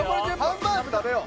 ハンバーグ食べよう